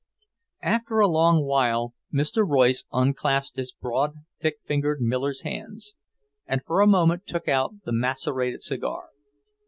After a long while Mr. Royce unclasped his broad, thick fingered miller's hands, and for a moment took out the macerated cigar.